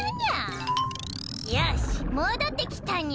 よしもどってきたにゃ。